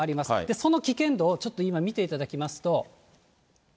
その危険度をちょっと今、見ていただきますと。